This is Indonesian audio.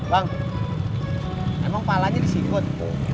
bang emang palanya disikut